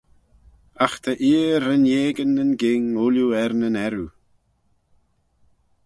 Agh ta eer rinneigyn nyn ging ooilley er nyn earroo.